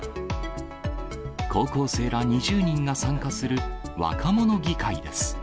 高校生ら２０人が参加する、若者議会です。